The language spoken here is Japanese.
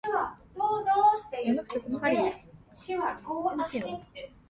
日ごとに車の中の紙の量が増えている気もしたけど、おそらく気のせいだった